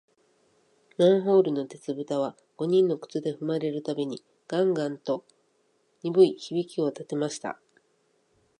マンホールの鉄ぶたは、五人の靴でふまれるたびに、ガンガンとにぶい響きをたてました。おまわりさんたちは、そうして、二十面相の頭の上を通りながら、